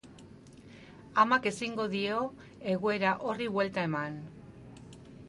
Amak ezingo dio egoera horri buelta eman.